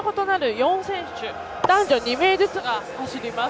４選手男女２名ずつが走ります。